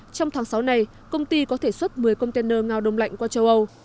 trong tháng sáu này công ty có thể xuất một mươi container ngao đông lạnh qua châu âu